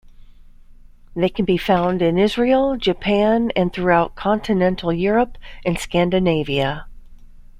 They can be found in Israel, Japan and throughout continental Europe and Scandinavia.